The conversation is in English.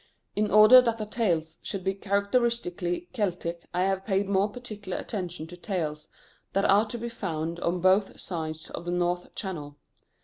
In order that the tales should be characteristically Celtic, I have paid more particular attention to tales that are to be found on both sides of the North Channel.